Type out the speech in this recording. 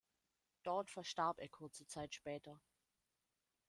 Dort verstarb er kurze Zeit später.